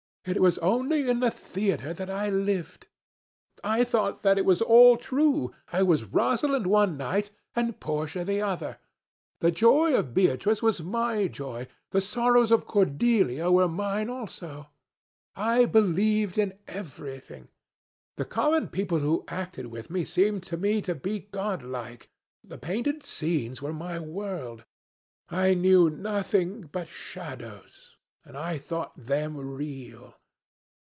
It was only in the theatre that I lived. I thought that it was all true. I was Rosalind one night and Portia the other. The joy of Beatrice was my joy, and the sorrows of Cordelia were mine also. I believed in everything. The common people who acted with me seemed to me to be godlike. The painted scenes were my world. I knew nothing but shadows, and I thought them real.